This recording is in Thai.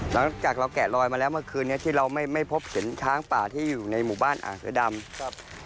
หลังจากเราแกะลอยมาแล้วเมื่อคืนนี้ที่เราไม่พบเห็นช้างป่าที่อยู่ในหมู่บ้านอ่างเสือดำครับ